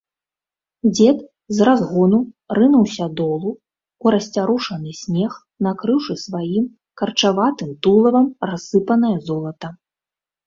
Дзед з разгону рынуўся долу, у расцярушаны снег, накрыўшы сваім карчаватым тулавам рассыпанае золата.